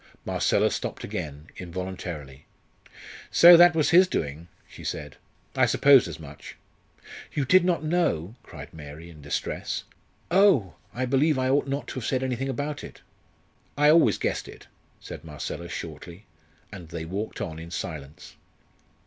Marcella stopped again, involuntarily. "So that was his doing?" she said. "I supposed as much." "You did not know?" cried Mary, in distress. "Oh! I believe I ought not to have said anything about it." "I always guessed it," said Marcella, shortly, and they walked on in silence.